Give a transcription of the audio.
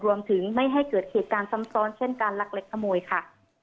รวมถึงไม่ให้เกิดเหตุการณ์ซ้ำซ้อนเช่นการลักเล็กขโมยค่ะ